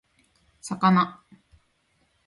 魚